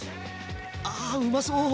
あうまそう。